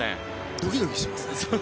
ドキドキしますね。